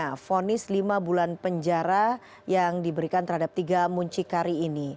karena fonis lima bulan penjara yang diberikan terhadap tiga muncikari ini